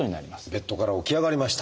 ベッドから起き上がりました。